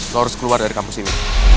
lo harus keluar dari kampus ini